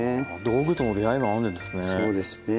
道具との出会いがあるんですね。